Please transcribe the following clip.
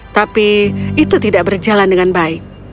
tapi itu tidak berjalan dengan baik